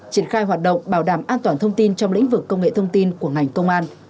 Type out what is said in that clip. triển khai hoạt động bảo đảm an toàn thông tin trong lĩnh vực công nghệ thông tin của ngành công an